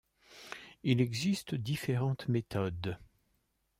Il existe différentes méthodes.